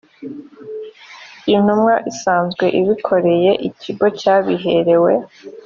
intumwa isanzwe ibikoreye ikigo cyabiherewe